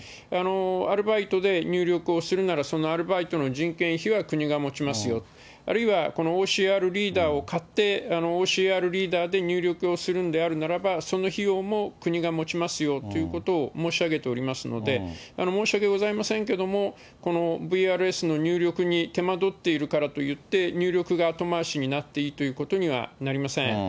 アルバイトで入力をするなら、そのアルバイトの人件費は国が持ちますよ、あるいは、このＯＣＲリーダーを買って、ＯＣＲリーダーで入力をするんであるならば、その費用も国が持ちますよということを申し上げておりますので、申し訳ございませんけれども、このＶＲＳの入力に手間取っているからといって、入力が後回しになっていいということではなりません。